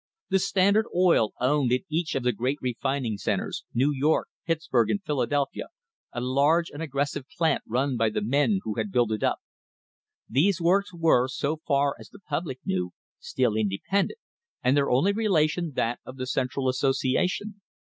The Standard Oil Company owned in each of the great refining centres, New York, Pittsburg and Philadelphia, a large and aggressive plant run by the men who had built it up. These works were, so far as the public knew, still independent and their only relation that of the "Central Association."